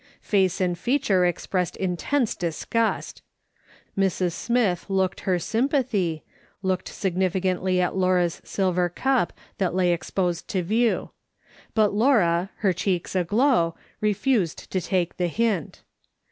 Face and feature expressed intense disgust, Mrs. Smith looked her sympathy, looked signiticantly at Laura's silver cup that lay exposed to view ; but Laura, her cheeks aglow, refused to take the hint.